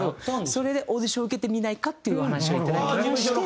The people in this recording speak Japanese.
それで「オーディションを受けてみないか？」っていうお話をいただきまして。